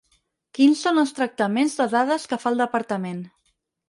Quins són els tractaments de dades que fa el Departament.